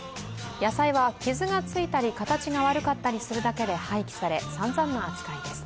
野菜は傷がついたり、形が悪かったりするだけで廃棄され、さんざんな扱いです。